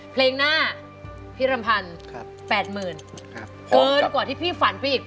เพลงหน้าพี่รำพันธ์๘๐๐๐เกินกว่าที่พี่ฝันไปอีก